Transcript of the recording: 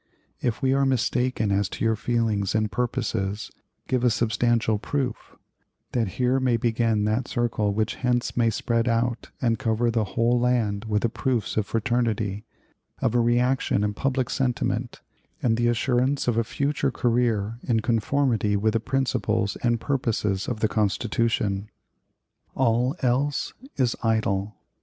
If we are mistaken as to your feelings and purposes, give a substantial proof, that here may begin that circle which hence may spread out and cover the whole land with proofs of fraternity, of a reaction in public sentiment, and the assurance of a future career in conformity with the principles and purposes of the Constitution. All else is idle.